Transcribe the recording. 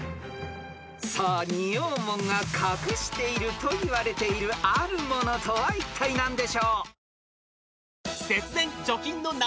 ［さあ仁王門が隠しているといわれているあるものとはいったい何でしょう？］